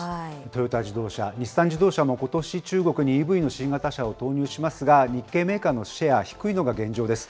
トヨタ自動車、日産自動車もことし、中国にＥＶの新型車を投入しますが、日系メーカーのシェア、低いのが現状です。